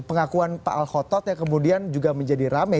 pengakuan pak al khotot yang kemudian juga menjadi rame